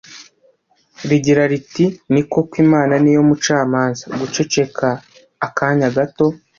rigira riti Ni koko Imana ni yo mucamanza» guceceka akanya gato